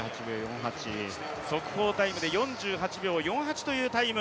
速報タイムで４８秒４８というタイム。